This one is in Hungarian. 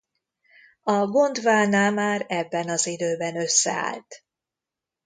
A Gondwana már ebben az időben összeállt.